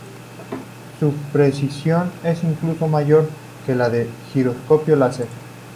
Su precisión es incluso mayor que la del giroscopio láser.